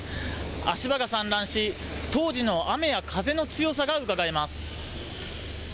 足場が散乱し、当時の雨や風の強さがうかがえます。